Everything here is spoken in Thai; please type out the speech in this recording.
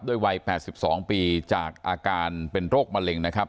ด้วยวัยแปดสิบสองปีจากอาการเป็นโรคมะเร็งนะครับ